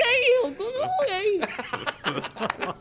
この方がいい！